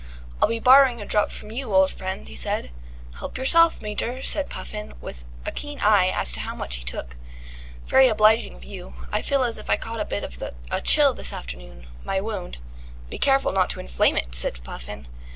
"I'll be borrowing a drop from you, old friend," he said. "Help yourself, Major," said Puffin, with a keen eye as to how much he took. "Very obliging of you. I feel as if I caught a bit of a chill this afternoon. My wound." "Be careful not to inflame it," said Puffin.